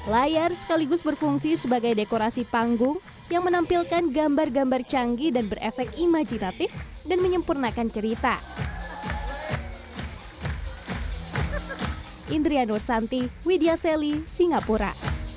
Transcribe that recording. layar sekaligus berfungsi sebagai dekorasi panggung yang menampilkan gambar gambar canggih dan berefek imajitatif dan menyempurnakan cerita